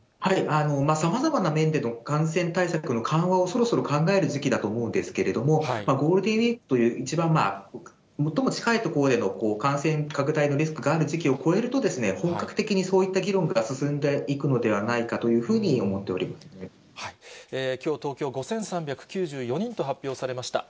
さまざまな面での感染対策の緩和をそろそろ考える時期だと思うんですけど、ゴールデンウィークという一番最も近いところでの感染拡大のリスクがある時期を超えると、本格的にそういった議論が進んでいくのではないかというふうに思きょう、東京５３９４人と発表されました。